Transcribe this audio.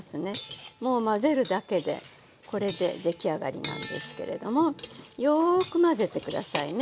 もう混ぜるだけでこれで出来上がりなんですけれどもよく混ぜて下さいね